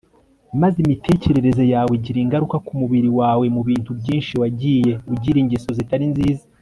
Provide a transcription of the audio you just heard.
maze imitekerereze yawe igira ingaruka ku mubiri wawe. mu bintu byinshi wagiye ugira ingeso zitari nziza